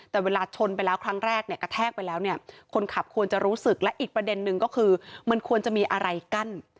แต่เวลาชนไปแล้วครั้งแรกเนี่ยกระแทกไปแล้วเนี่ยคนขับควรจะรู้สึกและอีกประเด็นนึงก็คือมันควรจะมีอะไรกั้น